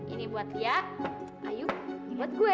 ini buat lia ayo ini buat gue